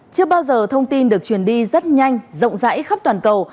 chưa bao giờ thông tin được truyền đi rất nhanh rộng rãi khắp toàn cầu